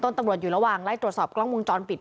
ตำรวจอยู่ระหว่างไล่ตรวจสอบกล้องวงจรปิด